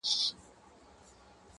نور د سپي امتیاز نه سمه منلای؛